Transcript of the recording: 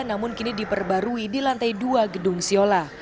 namun kini diperbarui di lantai dua gedung siola